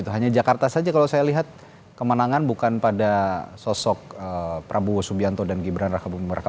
hanya jakarta saja kalau saya lihat kemenangan bukan pada sosok prabowo subianto dan gibran raka bumi meraka